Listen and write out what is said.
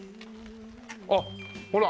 あっほら。